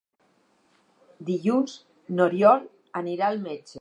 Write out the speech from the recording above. Dilluns n'Oriol anirà al metge.